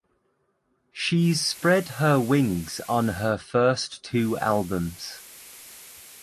She’s spread her wings on her first two albums.